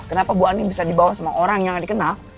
kenapa bu ani bisa dibawa sama orang yang dikenal